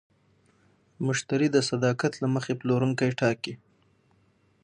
مشتری د صداقت له مخې پلورونکی ټاکي.